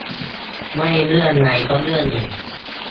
ไม่เรื่องใดก็เรื่องหนึ่ง